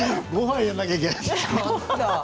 ごはんをやらなきゃいけなかった。